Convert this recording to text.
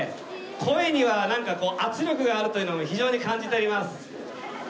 声にはなんかこう圧力があるというのを非常に感じております。